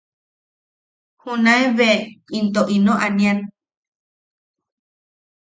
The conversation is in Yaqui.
Junae be into ino anian.